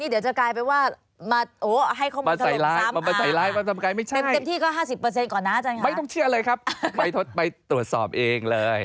ไม่ต้องเชื่อเลยไม่ต้องเชื่อเลยครับไม่ต้องเชื่อเลยครับไม่ทดไปตรวจสอบเองเลย